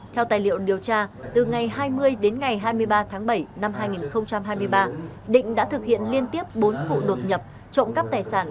theo tài liệu điều tra từ ngày hai mươi đến ngày hai mươi ba tháng bảy năm hai nghìn hai mươi ba định đã thực hiện liên tiếp bốn vụ đột nhập trộm cắp tài sản